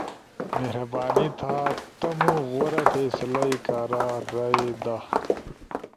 مہربانی تھا تمو غورا فیصلہ ئی کارا رائے دا۔ ت